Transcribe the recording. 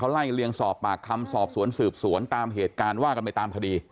ไล่เลียงสอบปากคำสอบสวนสืบสวนตามเหตุการณ์ว่ากันไปตามคดี